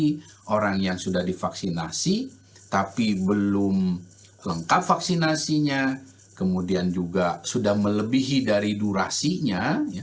jadi orang yang sudah divaksinasi tapi belum lengkap vaksinasinya kemudian juga sudah melebihi dari durasinya